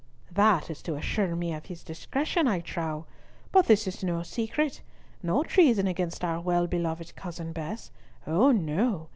"That is to assure me of his discretion, I trow! but this is no secret! No treason against our well beloved cousin Bess! Oh no!